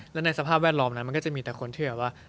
และในสภาพแวดล้อมมันก็จะมีแต่คนที่